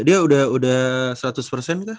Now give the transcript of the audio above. dia udah seratus kah